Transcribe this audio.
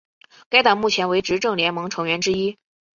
该党目前为执政联盟成员之一。